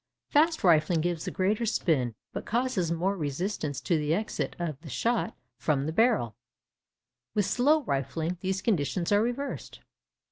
'Fast rifling' gives the greater spin, but causes more resistance to the exit of the shot from the barrel; with 'slow rifling,' these conditions are reversed.